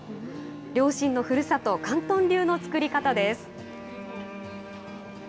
両親のふるさと、広東流の作り方です。